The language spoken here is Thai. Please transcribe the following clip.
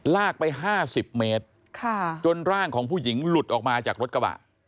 ลากไป๕๐เมตรจนร่างของผู้หญิงหลุดออกมาจากรถกระบะ